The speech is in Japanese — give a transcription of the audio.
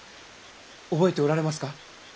覚えておられますか？